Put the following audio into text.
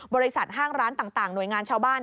ห้างร้านต่างหน่วยงานชาวบ้าน